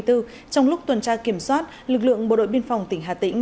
trong lúc tuần tra kiểm soát lực lượng bộ đội biên phòng tỉnh hà tĩnh